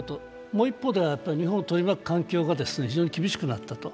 もう一方では日本を取り巻く環境が厳しくなったと。